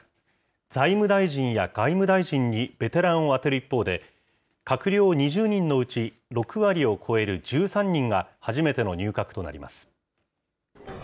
財務大臣や外務大臣にベテランを充てる一方で、閣僚２０人のうち６割を超える１３人が初めての入閣となります。